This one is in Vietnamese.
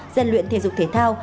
dân luyện thể dục thể thao